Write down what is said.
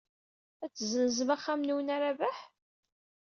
Ad tezzenzem axxam-nwen i Rabaḥ?